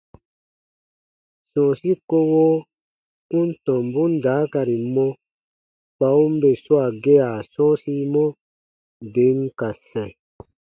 Sɔ̃ɔsi kowo u n tɔmbun daakari mɔ kpa u n bè swaa gea sɔ̃ɔsimɔ, bè n ka sɛ̃.